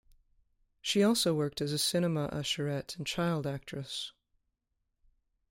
She also worked as a cinema usherette and child actress.